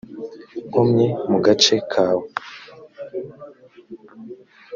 nkomyi mu gace kawe